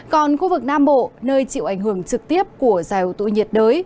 còn khu vực nam bộ nơi chịu ảnh hưởng trực tiếp của giải hội tụ nhiệt đới